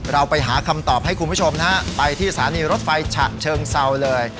เราไปหาคำตอบให้คุณผู้ชมนะฮะไปที่สถานีรถไฟฉะเชิงเซาเลย